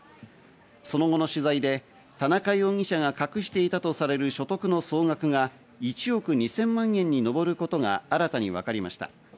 その後の取材で田中容疑者が隠していたとされる所得の総額が１億２０００万円に上ることが新たに分かりました。